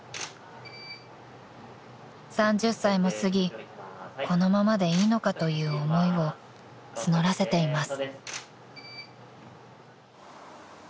［３０歳も過ぎこのままでいいのかという思いを募らせています］